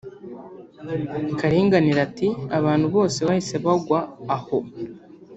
Karinganire ati “ abandi bose bahise bagwa aho